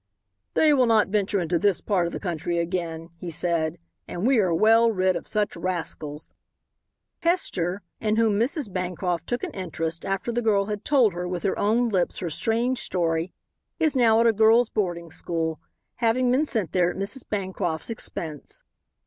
"They will not venture into this part of the country again," he said, "and we are well rid of such rascals." Hester, in whom Mrs. Bancroft took an interest after the girl had told her with her own lips her strange story, is now at a girls' boarding school, having been sent there at Mrs. Bancroft's expense.